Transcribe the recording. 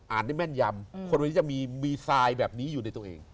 อ่านได้แม่นยำคนแบบนี้จะมีไซด์แบบนี้อยู่ในตัวเอง